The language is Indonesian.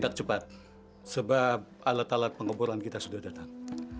cepat sebab alat alat pengeboran kita sudah datang